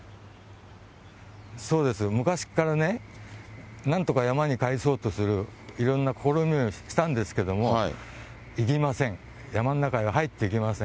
そうです、昔からね、なんとか山に帰そうとする、いろんな試みをしたんですけれども、行きません、山の中へ入っていきません。